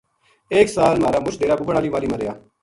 ایک سال مھارا مُچ ڈیرا بُوبن ہال ماہلی نا گیا